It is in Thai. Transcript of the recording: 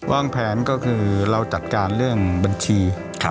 วางแผนก็คือเราจัดการเรื่องบัญชี